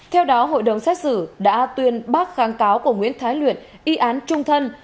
theo đó hội đồng xét xử đã tuyên bác kháng cáo của nguyễn thái luyện y án trung thân